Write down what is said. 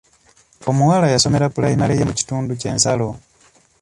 Omuwala yasomera pulayimale ye mu kitundu ky'ensalo.